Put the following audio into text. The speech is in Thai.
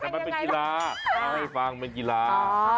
แต่มันเป็นกีฬาเล่าให้ฟังเป็นกีฬา